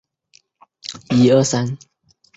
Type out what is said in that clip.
介子推割股的史实也存在争议。